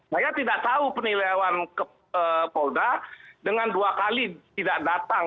saya tidak tahu penilaian polda dengan dua kali tidak datang